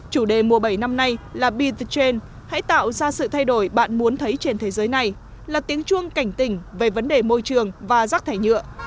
chủ đề mùa bảy năm nay là be the change hãy tạo ra sự thay đổi bạn muốn thấy trên thế giới này là tiếng chuông cảnh tình về vấn đề môi trường và rác thải nhựa